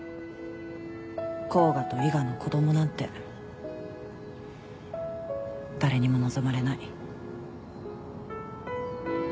甲賀と伊賀の子供なんて誰にも望まれない。